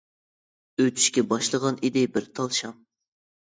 ئۆچۈشكە باشلىغان ئىدى بىر تال شام.